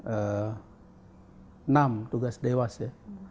enam tugas dewas ya